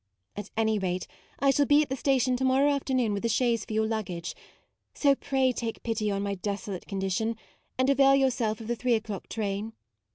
At any rate, I shall be at the station to morrow afternoon with a chaise for your luggage, so pray take pity on my desolate condi tion, and avail yourself of the three MAUDE 8 1 o'clock train.